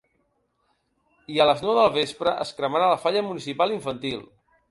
I a les nou del vespre es cremarà la falla municipal infantil.